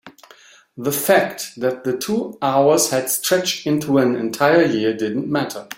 the fact that the two hours had stretched into an entire year didn't matter.